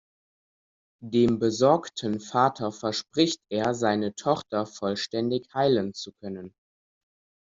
Dem besorgten Vater verspricht er, seine Tochter vollständig heilen zu können.